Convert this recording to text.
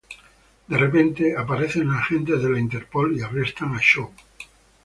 De repente, aparecen agentes de la Interpol y arrestan a Chow.